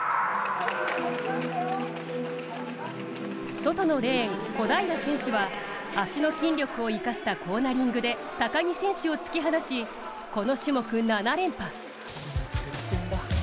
外のレーン、小平選手は足の筋力を生かしたコーナリングで高木選手を突き放し、この種目７連覇。